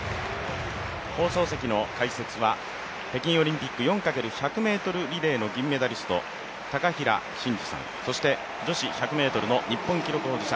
放送席の解説は北京オリンピック４×１００ｍリレーの銀メダリスト、高平慎士さんそして、女子１００ｍの日本記録保持者